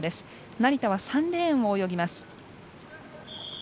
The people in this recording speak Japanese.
成田は３レーンを泳ぎます。